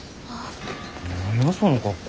何やその格好。